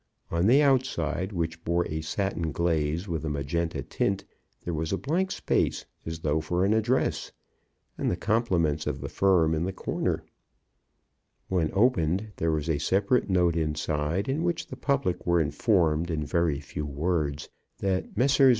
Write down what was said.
On the outside, which bore a satin glaze with a magenta tint, there was a blank space as though for an address, and the compliments of the firm in the corner; when opened there was a separate note inside, in which the public were informed in very few words, that "Messrs.